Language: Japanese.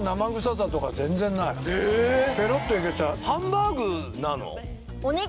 えペロッといけちゃうハンバーグなの？